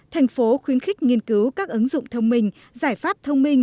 thành phố khuyến khích nghiên cứu các ứng dụng thông minh giải pháp thông minh